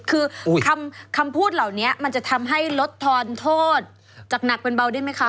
คือคำพูดเหล่านี้มันจะทำให้ลดทอนโทษจากหนักเป็นเบาได้ไหมคะ